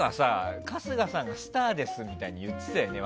春日さんがスターですみたいなこと言ってたよね。